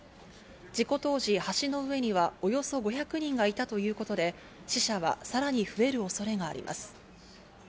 事故当時、橋の上にはおよそ５００人がいたということで、死者はさらに増える恐れがあります。